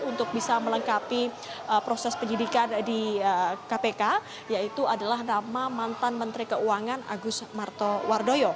untuk bisa melengkapi proses penyidikan di kpk yaitu adalah nama mantan menteri keuangan agus wardoyo